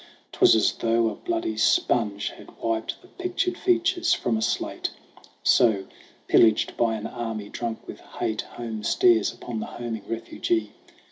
'Twas as though a bloody sponge Had wiped the pictured features from a slate ! So, pillaged by an army drunk with hate, Home stares upon the homing refugee.